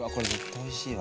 おいしいわ。